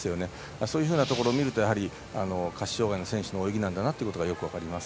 そういうふうなところを見ると下肢障がいの選手の泳ぎなんだなということがよく分かります。